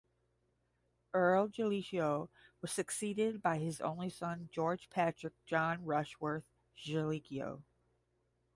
Earl Jellicoe was succeeded by his only son, George Patrick John Rushworth Jellicoe.